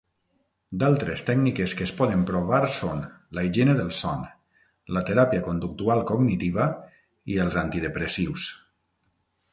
D'altres tècniques que es poden provar són la higiene del son, la teràpia conductual cognitiva i els antidepressius.